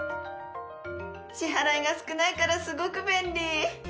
支払いが少ないからすごく便利！